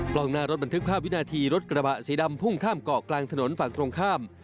กล้องหน้ารถบันทึกภาพวินาทีรถกระบะสีดำพุ่งข้ามเกาะกลางถนนฝั่งตรงข้าม